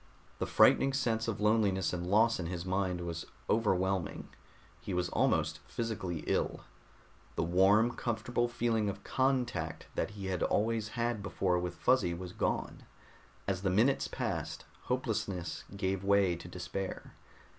The frightening sense of loneliness and loss in his mind was overwhelming; he was almost physically ill. The warm, comfortable feeling of contact that he had always had before with Fuzzy was gone. As the minutes passed, hopelessness gave way to despair.